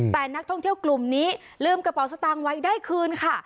แต่นักท่องเที่ยวกลุ่มนี้ลืมกระเป๋าสตางค์ไว้ได้คืนค่ะ